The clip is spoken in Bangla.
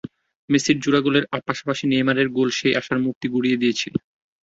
মেসির জোড়া গোলের পাশাপাশি নেইমারের গোল সেই আশার মূর্তি গুঁড়িয়ে দিয়েছে।